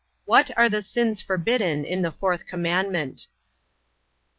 What are the sins forbidden in the fourth commandment?